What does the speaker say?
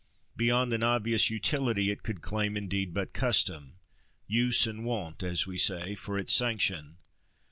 Beyond an obvious utility, it could claim, indeed but custom—use and wont, as we say—for its sanction.